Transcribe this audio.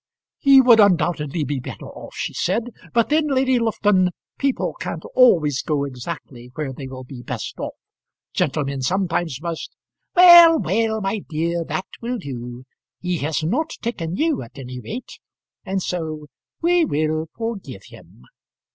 "He would undoubtedly be better off," she said; "but then, Lady Lufton, people can't always go exactly where they will be best off. Gentlemen sometimes must " "Well well, my dear, that will do. He has not taken you, at any rate; and so we will forgive him."